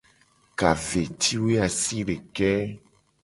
Ka ve ci woe asideke.